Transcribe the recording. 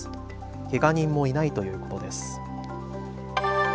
けが人もいないということです。